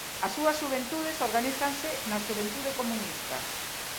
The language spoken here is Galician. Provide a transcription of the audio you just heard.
As súas xuventudes organízanse na Xuventude Comunista.